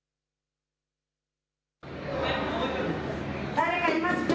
誰かいますか？